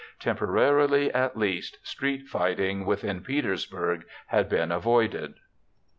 Temporarily, at least, street fighting within Petersburg had been avoided.